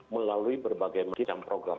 melalui berbagai macam program